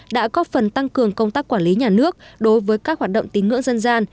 đã góp phần tăng cường công tác quản lý nhà nước đối với các hoạt động tín ngưỡng dân gian